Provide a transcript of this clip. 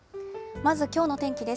まずきょうの天気です。